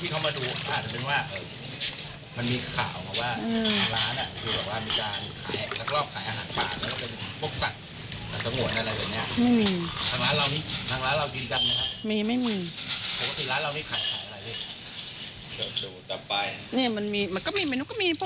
ของการมีกฎกเอลบลัยอาหาร